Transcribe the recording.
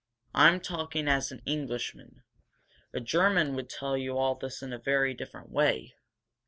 I'm talking as an Englishman. A German would tell you all this in a very different way.